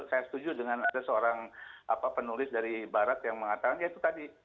saya setuju dengan ada seorang penulis dari barat yang mengatakan ya itu tadi